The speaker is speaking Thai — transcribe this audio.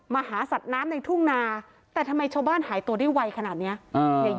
หาสัตว์น้ำในทุ่งนาแต่ทำไมชาวบ้านหายตัวได้ไวขนาดเนี้ยอ่า